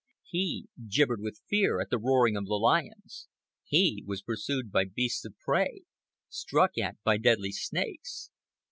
He gibbered with fear at the roaring of the lions. He was pursued by beasts of prey, struck at by deadly snakes.